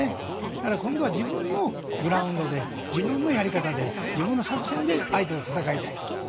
だから今度は自分のグラウンドで自分のやり方で自分の作戦で相手と戦いたいと。